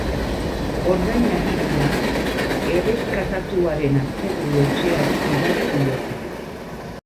Ordainagiria erreskatatuaren aseguru-etxeari bidali diote.